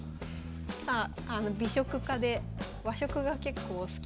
さあ美食家で和食が結構好きという。